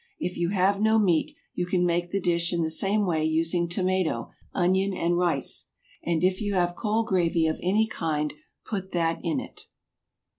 If you have no meat you can make the dish in the same way using tomato, onion and rice; and if you have cold gravy of any kind put that in it.